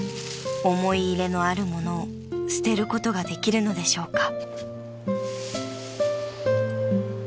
［思い入れのある物を捨てることができるのでしょうか］